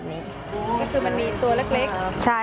คือปล่อยไปจำธรรมชาติ